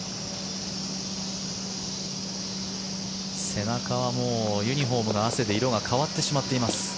背中はもうユニホームが汗で色が変わってしまっています。